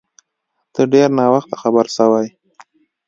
ته ډیر ناوخته خبر سوی